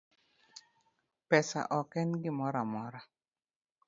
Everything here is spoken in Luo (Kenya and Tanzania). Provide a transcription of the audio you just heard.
Pesa ok en gimoro amora